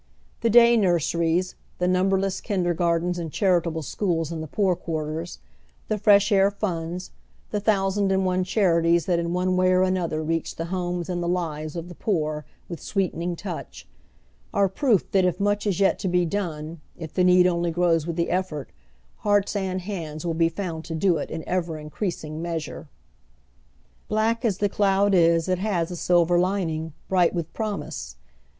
The Day Nur series, the numberless Kindergai'teiis and charitable schools in the poor quarters, the Fresh Air Funds, the thousand and one chanties that in one way or another reach the lioines and the lives of the poor with sweetening touch, are proof that if much is yet to bo done, if the need only grows with the effort, hearts and hands will be found to do it in ever increasing measure. Black as the cloud is it has a silver lining, bright with promise.